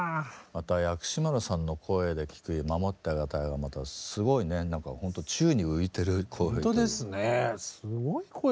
また薬師丸さんの声で聴く「守ってあげたい」がまたすごいねなんかほんと宙に浮いてる声っていうか。